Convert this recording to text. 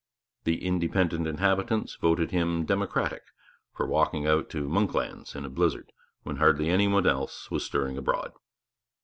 The 'independent inhabitants' voted him 'democratic' for walking out to 'Monklands' in a blizzard, when hardly any one else was stirring abroad.